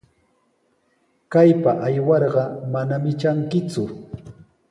Kaypa aywarqa manami trankiku.